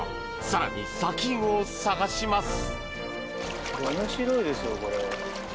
更に砂金を探します。